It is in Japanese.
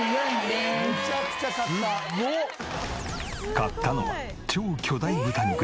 買ったのは超巨大豚肉や。